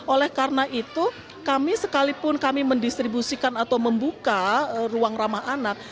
oleh karena itu kami sekalipun kami mendistribusikan atau membuka ruang ramah anak